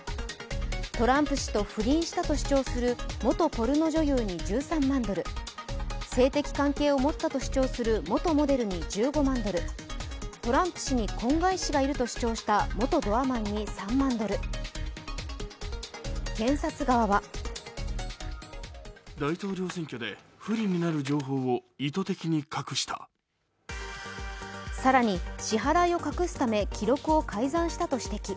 トランプ氏と不倫したと主張する元ポルノ女優に１３万ドル、性的関係を持ったと主張する元モデルに１５万ドル、トランプ氏に婚外子がいると主張した元ドアマンに３万ドル、検察側は更に支払いを隠すため記録を改ざんしたと指摘。